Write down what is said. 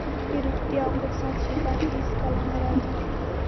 د روغتيا او فرصت شېبه هېڅ کله نه راځي.